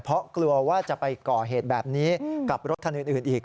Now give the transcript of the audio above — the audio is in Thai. เพราะกลัวว่าจะไปก่อเหตุแบบนี้กับรถคันอื่นอีก